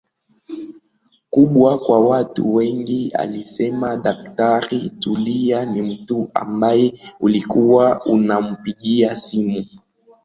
kubwa kwa watu wengi alisema Daktari Tulia Ni mtu ambaye ulikuwa unampigia simu